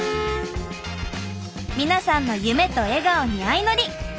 皆さんの夢と笑顔にあいのり。